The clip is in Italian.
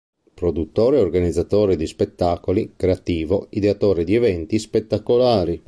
Produttore e organizzatore di spettacoli, creativo, ideatore di eventi spettacolari.